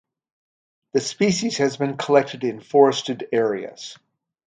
The species has been collected in forested areas.